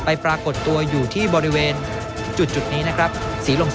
ปรากฏตัวอยู่ที่บริเวณจุดนี้นะครับสีลม